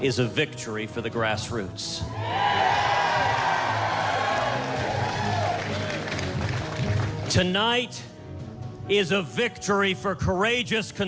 สวัสดีครับ